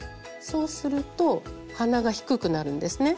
そうすると鼻が低くなるんですね。